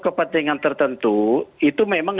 kepentingan tertentu itu memang